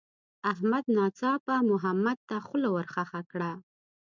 احمد ناڅاپه محمد ته خوله ورخښه کړه.